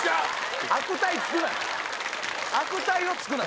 悪態をつくな。